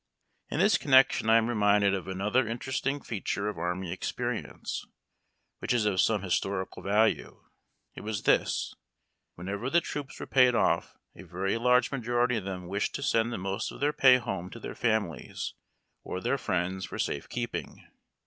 In this connection I am reminded of another interesting feature of army experience, which is of some historical value. It was this : whenever the troops were paid off a very large majority of them wished to send the most of their pay home to their families or their friends for safe keeping.